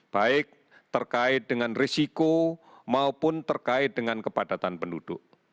baik terkait dengan risiko maupun terkait dengan kepadatan penduduk